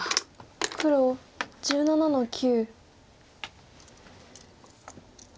黒１７の九。